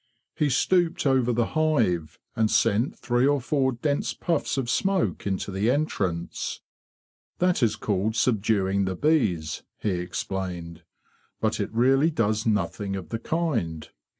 He stooped over the hive, and sent three or four dense puffs of smoke into the entrance. '' That is called subduing the bees,'' he explained, "but it really does nothing of the kind.